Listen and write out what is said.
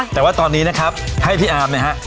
แต่ว่าตอนนี้นะครับให้พี่อาร์มนะฮะ